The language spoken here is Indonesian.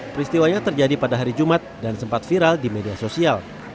peristiwanya terjadi pada hari jumat dan sempat viral di media sosial